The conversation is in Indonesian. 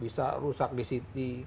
bisa rusak di situ